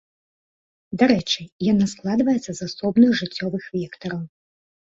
Дарэчы, яна складваецца з асобных жыццёвых вектараў.